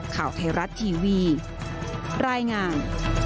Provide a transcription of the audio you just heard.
ข่าวไทยรัฐทีวีรายงาน